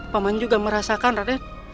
paman juga merasakan raden